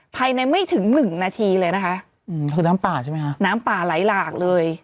ไม่ถึงหนึ่งนาทีเลยนะคะอืมคือน้ำป่าใช่ไหมคะน้ำป่าไหลหลากเลย